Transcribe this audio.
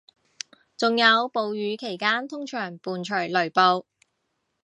仲有暴雨期間通常伴隨雷暴